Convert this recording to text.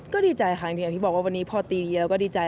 ก็ดีใจค่ะอย่างที่บอกว่าวันนี้พอตีเดียวก็ดีใจ